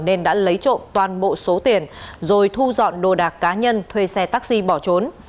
nên đã lấy trộm toàn bộ số tiền rồi thu dọn đồ đạc cá nhân thuê xe taxi bỏ trốn